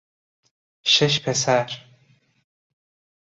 شش پسر